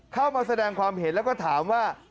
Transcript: เข้ามาแสดงความเห็นแล้วก็ถามว่า